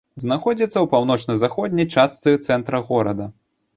Знаходзіцца ў паўночна-заходняй частцы цэнтра горада.